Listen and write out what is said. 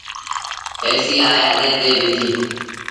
ايسيٚ آئي اَڏي تي بيٚٺيٚ۔